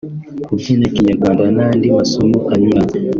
kubyina Kinyarwanda n’andi masomo anyuranye